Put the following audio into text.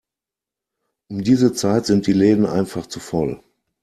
Um diese Zeit sind die Läden einfach zu voll.